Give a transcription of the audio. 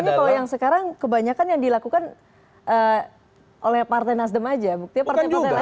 makanya kalau yang sekarang kebanyakan yang dilakukan oleh partai nasdem aja buktinya partai partai lain